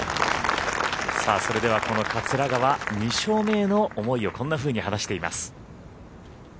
それではこの桂川２勝目への思いをこんなふうに話しています。